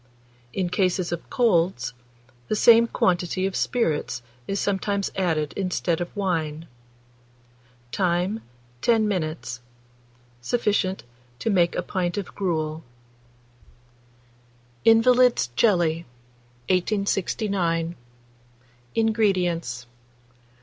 In cases of colds, the same quantity of spirits is sometimes added instead of wine. Time. 10 minutes. Sufficient to make a pint of gruel. INVALID'S JELLY. 1869. INGREDIENTS.